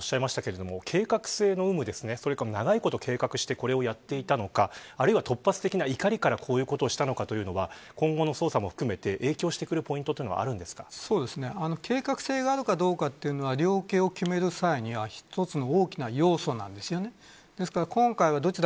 さっきトラウデンさんがおっしゃいましたが、計画性があるのか、長いこと計画してこれをやっていたのかあるいは突発的な怒りからこういうことしたのかというのは今後の捜査も含めて影響してくるポイントというのは計画性があるかどうかというのは量刑を決める際には一つの大きな要素なんですよね。